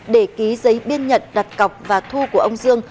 để ký giấy biên nhận đặt cọc và thu của ông dương